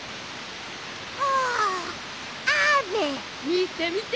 みてみて！